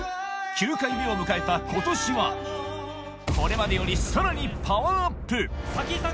９回目を迎えた今年はこれまでよりさらにパワーアップ咲妃さん